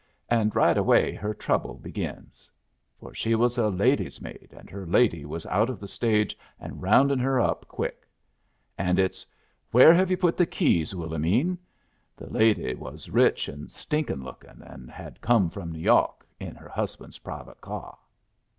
And right away her trouble begins. For she was a lady's maid, and her lady was out of the stage and roundin' her up quick. And it's 'Where have you put the keys, Willomene?' The lady was rich and stinkin' lookin', and had come from New Yawk in her husband's private cyar.